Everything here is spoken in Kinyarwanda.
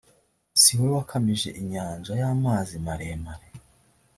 si wowe wakamije inyanja y amazi maremare